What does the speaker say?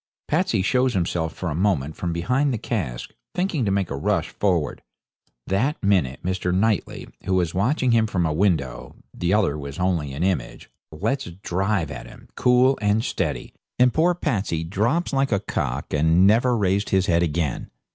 Patsey shows himself for a moment from behind the cask, thinking to make a rush forward; that minute Mr. Knightley, who was watching him from a window (the other was only an image), lets drive at him, cool and steady, and poor Patsey drops like a cock, and never raised his head again.